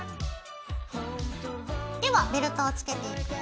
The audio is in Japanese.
ではベルトをつけていくよ。